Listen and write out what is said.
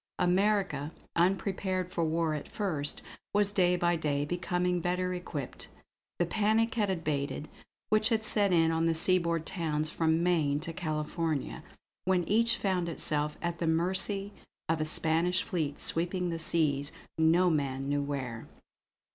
America, unprepared for war at first, was day by day becoming better equipped. The panic had abated which had set in on the seaboard towns from Maine to California, when each found itself at the mercy of a Spanish fleet sweeping the seas, no man knew where.